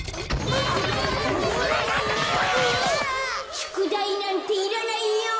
「しゅくだいなんていらないよ！」。